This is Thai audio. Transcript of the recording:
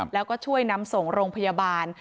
แล้วก็ช่วยนำส่งโรงพยาบาล